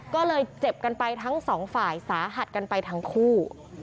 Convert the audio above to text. ก็เลยเจ็บกันไปทั้งสองฝ่ายสาหัสกันไปทั้งคู่